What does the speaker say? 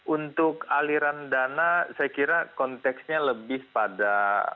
untuk aliran dana saya kira konteksnya lebih pada